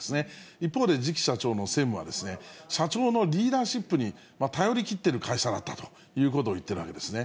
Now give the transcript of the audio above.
一方で次期社長の専務は、社長のリーダーシップに頼りきっている会社だったということを言ってるわけですね。